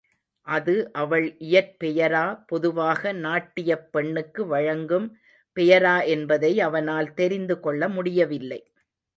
அது அவள் இயற் பெயரா பொதுவாக நாட்டியப் பெண்ணுக்கு வழங்கும் பெயரா என்பதை அவனால் தெரிந்து கொள்ள முடியவில்லை.